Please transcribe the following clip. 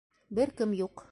Бер кем юҡ.